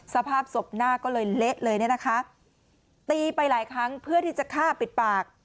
สภาพศพหน้าก็เลยเละเลยเนี่ยนะคะตีไปหลายครั้งเพื่อที่จะฆ่าปิดปาก